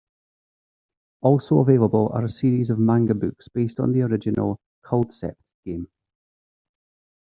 Also available are a series of manga books based on the original "Culdcept" game.